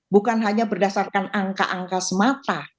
bukan hanya berdasarkan angka angka semata